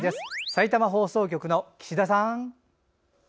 さいたま放送局の岸田さん。